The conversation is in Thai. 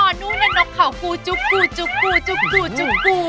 ดูในน็กเขากูจุกกูจุกกูจุกกูจุกกู